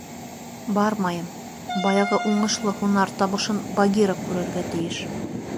— Бармайым, баяғы уңышлы һунар табышын Багира күрергә тейеш.